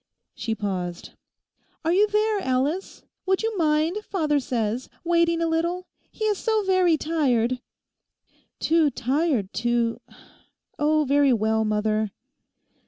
She paused. 'Are you there, Alice? Would you mind, father says, waiting a little? He is so very tired.' 'Too tired to.... Oh, very well, mother.